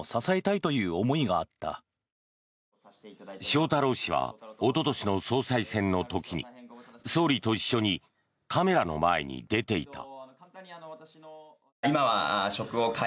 翔太郎氏はおととしの総裁選の時に総理と一緒にカメラの前に出ていた。